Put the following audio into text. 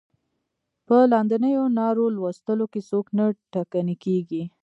په لاندنیو نارو لوستلو کې څوک نه ټکنی کیږي.